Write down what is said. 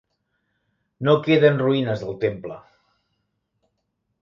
No queden ruïnes del temple.